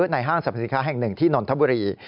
ห้างสรรพสินค้าแห่งหนึ่งที่นนทบุรี